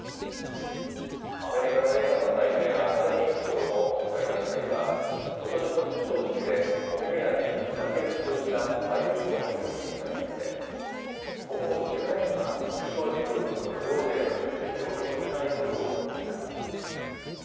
アメリカの映画の祭典、アカデミー賞の主催団体はことしの授賞式でコメディアンに平手打ちをした俳優のウィル・スミスさんについて今後１０年間、授賞式を含む行事への出席を認めないことを決めました。